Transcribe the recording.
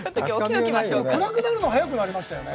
暗くなるの早くなりましたよね。